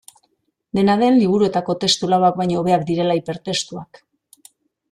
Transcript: Dena den, liburuetako testu lauak baino hobeak direla hipertestuak.